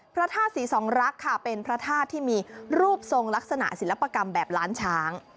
พระธาตุศรีสองรักษ์ค่ะเป็นพระธาตุที่มีรูปทรงลักษณะศิลปกรรมแบบล้านช้าง